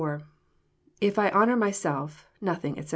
— llf I honour myself., .nothing, etc.'